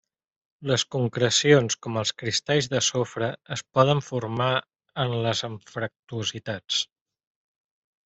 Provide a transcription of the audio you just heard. Les concrecions com els cristalls de sofre es poden formar en les anfractuositats.